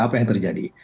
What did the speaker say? apa yang terjadi